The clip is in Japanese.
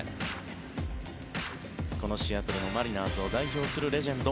このシアトル・マリナーズを代表するレジェンド。